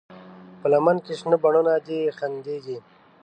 په لمن کې شنه بڼوڼه دي خندېږي